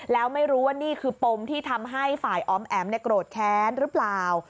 แล้วไม่รู้ว่านี่คือปมที่ทำให้ฝ่ายออมแอ๋มโกรธแค้นหรือเปล่า